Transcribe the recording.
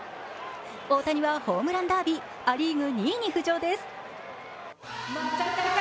大谷はホームランダービーア・リーグ２位に浮上です。